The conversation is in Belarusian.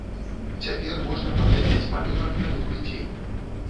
Цяпер можна паглядзець малюнак на любы дзень.